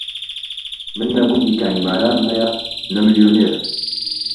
من نە گوندی کانیمارانم هەیە، نە میلیونێرم